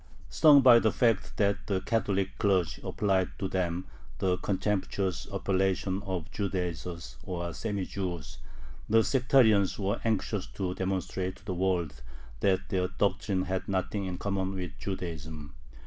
Stung by the fact that the Catholic clergy applied to them the contemptuous appellation of "Judaizers," or semi Jews, the sectarians were anxious to demonstrate to the world that their doctrine had nothing in common with Judaism.